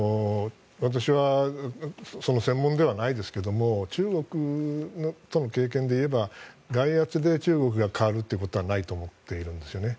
私は専門ではないですけど経験でいえば外圧で中国が変わるということはないと思っているんですね。